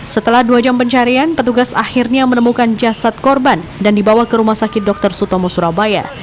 setelah dua jam pencarian petugas akhirnya menemukan jasad korban dan dibawa ke rumah sakit dr sutomo surabaya